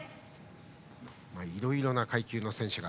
いろいろな階級の選手が